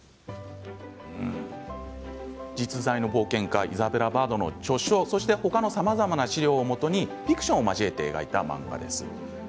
実在の冒険家イザベラ・バードの著書そして他のさまざまな資料をもとにフィクションを交えて描いた漫画です。